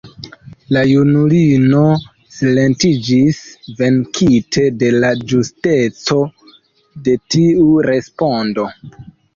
La junulino silentiĝis, venkite de la ĝusteco de tiu respondo.